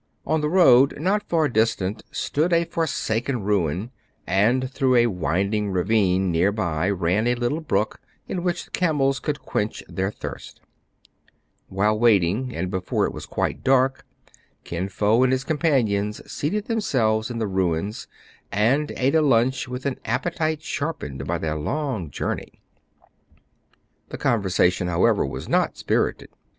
On the road, not far distant, stood a forsaken ruin ; and through a winding ravine near by ran a little brook, in which the camels could quench their thirst While waiting, and before it was quite dark, Kin Fo and his companions seated themselves in the ruins, and ate a lunch with an appetite sharpened by their long journey. The conversation, however, was not spirited.